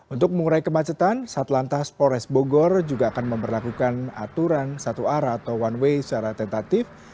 untuk mengurai kemacetan satlantas polres bogor juga akan memperlakukan aturan satu arah atau one way secara tentatif